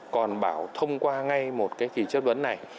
còn bảo thông qua ngay một cái kỳ chất vấn này